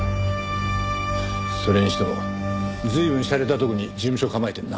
それにしても随分しゃれた所に事務所構えてんな。